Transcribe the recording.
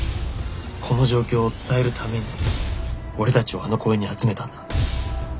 この状況を伝えるために俺たちをあの公園に集めたんだ。